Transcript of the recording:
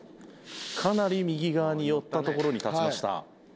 かなり右側に寄った所に立ちました。